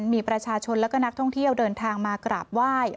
มีประชาชนและก็นักท่องเที่ยวเดินทางมากราบไหว้